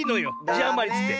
じあまりっつって。